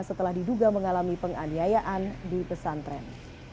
setelah diduga mengalami penganiayaan di pesantren